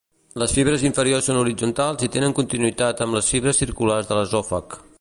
Les fibres inferiors són horitzontals i tenen continuïtat amb les fibres circulars de l'esòfag.